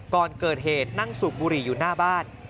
ก่อนเกิดเหตุนั่งสูบบุหรี่อยู่หน้าบ้าน